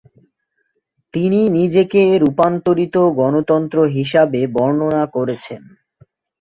তিনি নিজেকে "রূপান্তরিত গণতন্ত্র" হিসাবে বর্ণনা করেছেন।